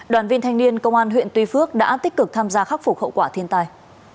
đoàn viên thanh niên công an huyện tuy phước đã tích cực tham gia khắc phục hậu quả thiên tai